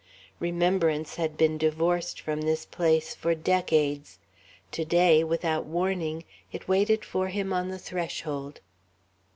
Remembrance had been divorced from this place for decades. To day, without warning, it waited for him on the threshold.